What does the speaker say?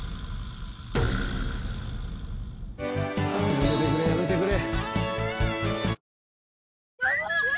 やめてくれやめてくれ。